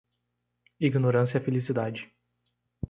Ignorância é felicidade.